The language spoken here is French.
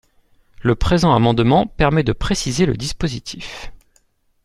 Le présent amendement permet de préciser le dispositif.